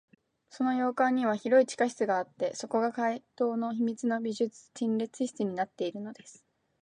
その洋館には広い地下室があって、そこが怪盗の秘密の美術陳列室になっているのです。